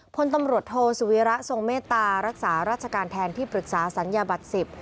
พลตำรวจโทสุวีระทรงเมตตารักษาราชการแทนที่ปรึกษาสัญญาบัตร๑๐